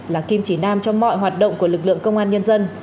là kim chỉ nam cho mọi hoạt động của lực lượng công an nhân dân